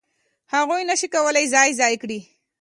هغوی نه شي کولای ځان ځای کړي.